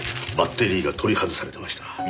バッテリーが取り外されてました。